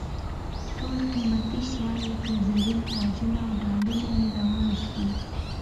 ټول قیمتي شیان لکه زرین تاجونه او ډالونه یې را واېستل.